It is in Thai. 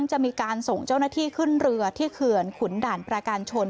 จะมีการส่งเจ้าหน้าที่ขึ้นเรือที่เขื่อนขุนด่านประการชน